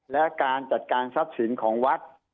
และการจัดการทรัพย์สินของวัด